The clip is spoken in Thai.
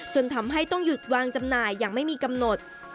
จนทำให้ต้องหยุดวางจำหน่ายอย่างไม่มีกำหนด